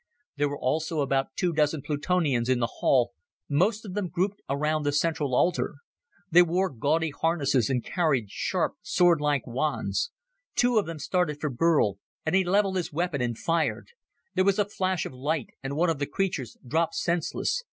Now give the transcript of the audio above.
There were also about two dozen Plutonians in the hall, most of them grouped around the central altar. They wore gaudy harnesses and carried sharp, swordlike wands. Two of them started for Burl, and he leveled his weapon and fired. There was a flash of light and one of the creatures dropped senseless.